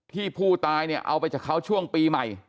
ที่ผู้ตายเนี่ยเอาไปจากเขาช่วงปีใหม่